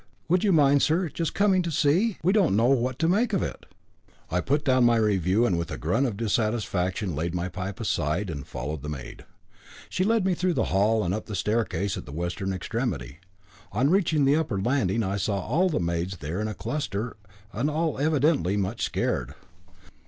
Would you mind, sir, just coming to see? We don't know what to make of it." I put down my review with a grunt of dissatisfaction, laid my pipe aside, and followed the maid. She led me through the hall, and up the staircase at the western extremity. On reaching the upper landing I saw all the maids there in a cluster, and all evidently much scared.